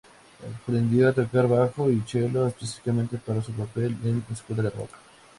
Aprendió a tocar bajo y chelo específicamente para su papel en "Escuela de rock".